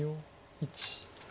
１。